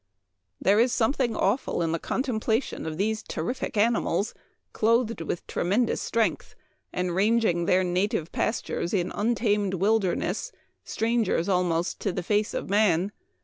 There is something awful in the contemplation of these terrific animals, clothed with tremen dous strength, and ranging their native pastures in untamed wildness, strangers almost to the face of man.